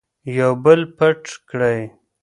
یو بل پټ کړئ.